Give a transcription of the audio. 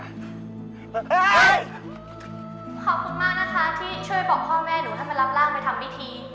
ขอบคุณมากนะคะที่ช่วยบอกพ่อแม่หนูให้มารับร่างไปทำพิธี